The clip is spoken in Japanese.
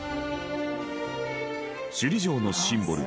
首里城のシンボル